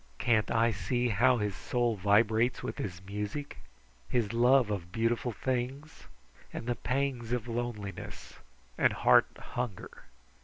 Can't I see how his soul vibrates with his music, his love of beautiful things and the pangs of loneliness and heart hunger?